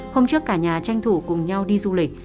hôm trước cả nhà tranh thủ cùng nhau đi du lịch